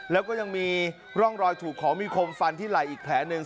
แล้วก็ยังมีร่องรอยถูกของมีคมฟันที่ไหล่อีกแผลหนึ่ง